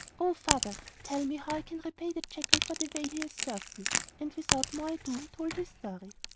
'Oh! father, tell me how I can repay the jackal for the way he has served me!' And without more ado he told his story.